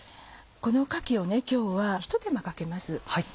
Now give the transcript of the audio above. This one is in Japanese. このかきを今日はひと手間かけます。